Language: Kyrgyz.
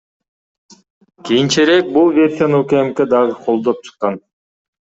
Кийинчерээк бул версияны УКМК дагы колдоп чыккан.